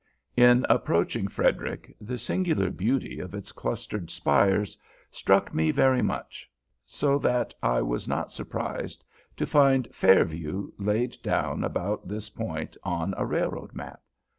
In approaching Frederick, the singular beauty of its clustered spires struck me very much, so that I was not surprised to find "Fair View" laid down about this point on a railroad map.